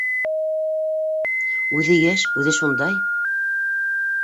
Үҙе йәш, үҙе шундай